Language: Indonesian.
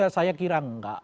saya kira enggak